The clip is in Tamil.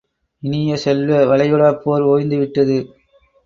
இனிய செல்வ, வளைகுடாப்போர் ஓய்ந்து விட்டது.